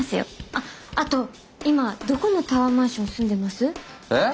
あっあと今どこのタワーマンション住んでます？えっ！？